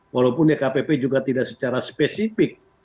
walaupun dkpp juga tidak secara spesifik